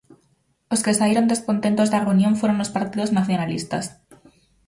Os que saíron descontentos da reunión foron os partidos nacionalistas.